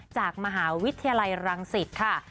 จากมหาวิทยาลัยรังสิตค่ะ